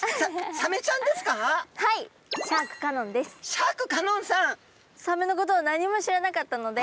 サメのことを何も知らなかったので。